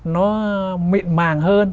nó mịn màng hơn